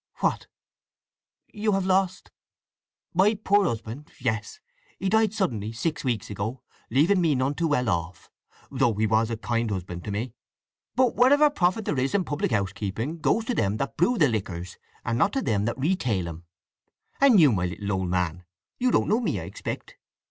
"What?—you have lost—" "My poor husband. Yes. He died suddenly, six weeks ago, leaving me none too well off, though he was a kind husband to me. But whatever profit there is in public house keeping goes to them that brew the liquors, and not to them that retail 'em… And you, my little old man! You don't know me, I expect?"